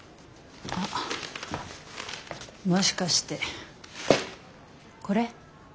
もしかしてこれ？